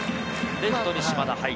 レフトに島田。